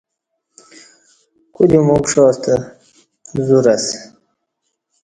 کودیوم اُکݜاستہ زور اسہ